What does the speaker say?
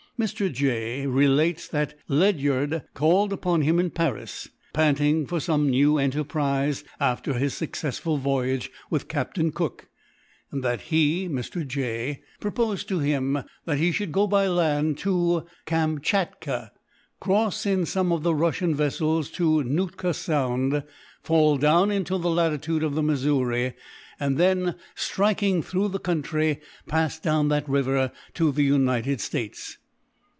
Mr. J. relates that Ledyard called upon him in Paris, panting for some new enterprise, after his successful voyage with Captain Cook; and that he (Mr. J.) proposed to him that he should go by land to Kamschatka, cross in some of the Russian vessels to Nootka Sound, fall down into the latitude of the Missouri, and then, striking through the country, pass down that river to the United States.